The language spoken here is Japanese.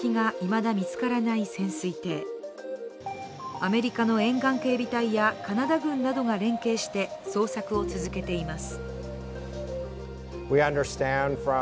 アメリカの沿岸警備隊やカナダ軍などが連携して捜索を続けています。